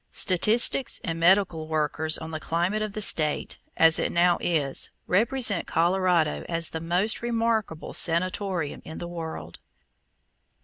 Statistics and medical workers on the climate of the State (as it now is) represent Colorado as the most remarkable sanatorium in the world.